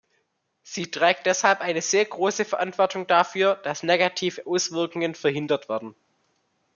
Sie trägt deshalb eine sehr große Verantwortung dafür, dass negative Auswirkungen verhindert werden.